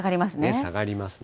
下がりますね。